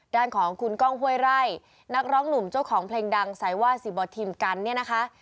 ด้านของคุณก้องห้วยไร่นักร้องหนุ่มเจ้าของเพลงดังไซว่าซีบอลทีมกันเนี่ยนะคะ